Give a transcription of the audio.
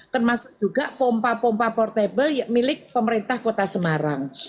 pembaikan pompa pompa portable milik pemerintah kota semarang